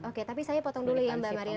oke tapi saya potong dulu ya mbak maria